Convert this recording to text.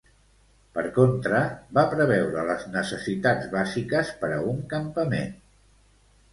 Per contra, va preveure les necessitats bàsiques per a un campament.